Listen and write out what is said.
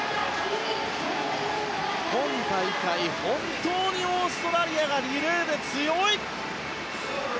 今大会、本当にオーストラリアがリレーで強い！